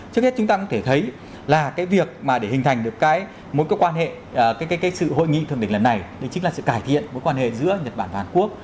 trước hết chúng ta cũng có thể thấy là cái việc mà để hình thành được cái mối quan hệ sự hội nghị thượng đỉnh lần này chính là sự cải thiện mối quan hệ giữa nhật bản và hàn quốc